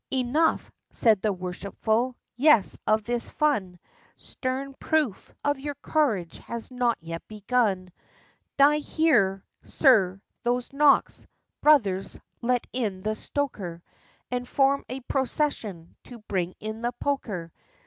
'Enough?' said the worshipful, 'Yes, of this fun! Stern proof of your courage has not yet begun; D'ye hear, sir, those knocks? Brothers, let in the stoker, And form a procession to bring in the poker!